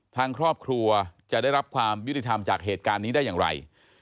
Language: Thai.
ทางครอบครัวจะได้รับความยุติธรรมจากเหตุการณ์นี้ได้อย่างไร